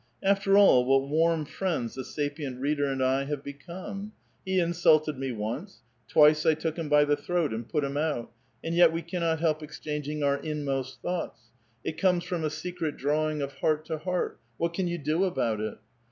After all, what warm friends the sapient reader and I have become ! He insulted me once ; twice I took him by the throat and put him out, and yet we cannot help exchanging our inmost thoughts ; it comes from a secret drawing of heart to heart. What can vou do about it?